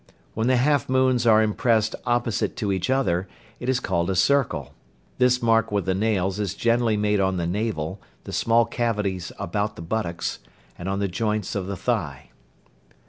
When the half moons are impressed opposite to each other, it is called a "circle." This mark with the nails is generally made on the navel, the small cavities about the buttocks, and on the joints of the thigh.